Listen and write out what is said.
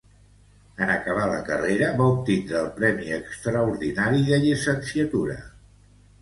En acabar la carrera, va obtindre el Premi Extraordinari de Llicenciatura.